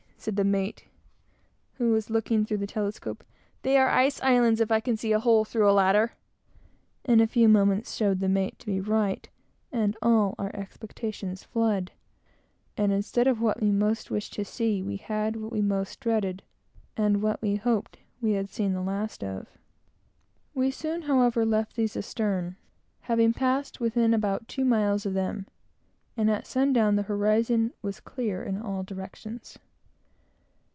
said the mate, who was looking through a telescope; "they are ice islands, if I can see a hole through a ladder;" and a few moments showed the mate to be right and all our expectations fled; and instead of what we most wished to see, we had what we most dreaded, and what we hoped we had seen the last of. We soon, however, left these astern, having passed within about two miles of them; and at sundown the horizon was clear in all directions.